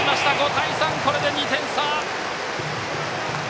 ５対３、これで２点差。